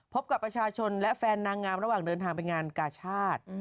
พบกับประชาชนและแฟนนางงามระหว่างเดินทางไปงานกาชาติ